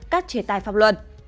các chế tài pháp luật